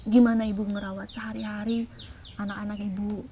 gimana ibu merawat sehari hari anak anak ibu